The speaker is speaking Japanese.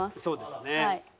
そうですね。